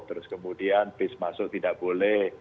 terus kemudian bis masuk tidak boleh